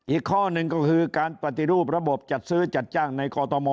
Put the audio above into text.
อีกข้อหนึ่งก็คือการปฏิรูประบบจัดซื้อจัดจ้างในกอทม